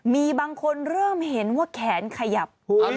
มีบางคนเริ่มเห็นว่าแขนขยับ